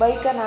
baikan aja lah